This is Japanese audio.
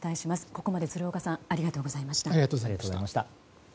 ここまで鶴岡さんありがとうございました。